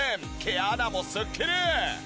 毛穴もすっきり！